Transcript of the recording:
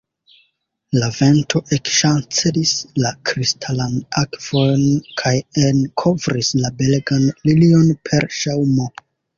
La vento ekŝancelis la kristalan akvon kaj enkovris la belegan lilion per ŝaŭmo.